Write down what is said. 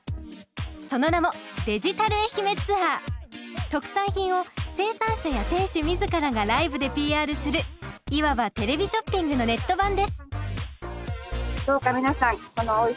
その名も特産品を生産者や店主自らがライブでＰＲするいわばテレビショッピングのネット版です。